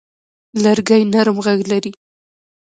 لرګی نرم غږ لري.